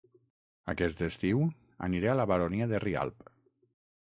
Aquest estiu aniré a La Baronia de Rialb